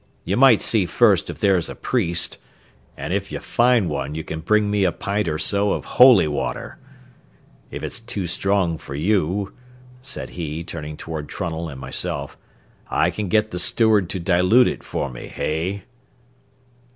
You might see first if there's a priest, an' if you find one you can bring me a pint or so o' holy water. If it's too strong for you," said he, turning toward Trunnell and myself, "I can get the steward to dilute it for me, hey?"